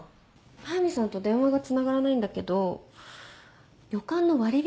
速見さんと電話がつながらないんだけど旅館の割引